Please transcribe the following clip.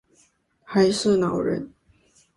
还是老人